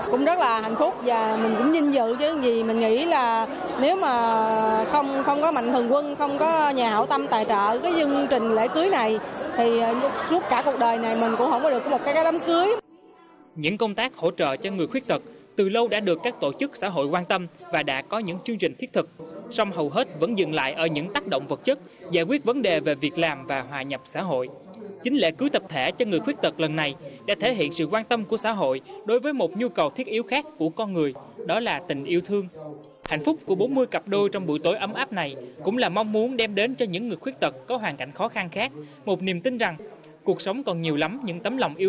cũng rất là hạnh phúc và mình cũng dinh dự chứ vì mình nghĩ là nếu mà không có mạnh thường quân không có nhà hậu tâm tài trợ cái dương trình lễ cưới này thì suốt cả cuộc đời này mình cũng không có được một cái đám cưới